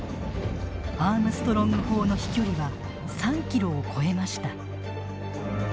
アームストロング砲の飛距離は３キロを超えました。